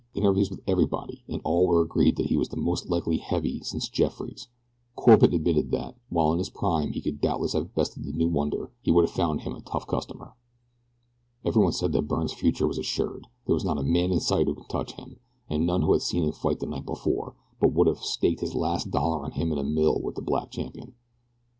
Interviews with everybody, and all were agreed that he was the most likely heavy since Jeffries. Corbett admitted that, while in his prime he could doubtless have bested the new wonder, he would have found him a tough customer. Everyone said that Byrne's future was assured. There was not a man in sight who could touch him, and none who had seen him fight the night before but would have staked his last dollar on him in a mill with the black champion.